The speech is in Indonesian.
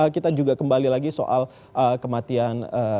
kita juga kembali lagi soal kematian